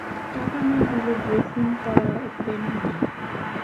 টাকা না দিলে ড্রেসিং করাতেন না।